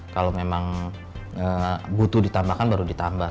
kalau memang butuh ditambahkan baru ditambah